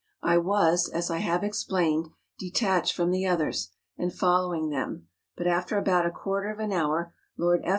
I was, as I have explained, detached from the others, and following them ; but after about a quar¬ ter of an hour Lord F.